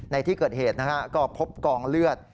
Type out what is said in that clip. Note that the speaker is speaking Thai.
ในที่เกิดเหตุนะฮะก็พบกองเลือด